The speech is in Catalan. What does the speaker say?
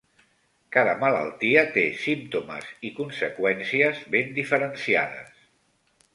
Cada malaltia té símptomes i conseqüències ben diferenciades.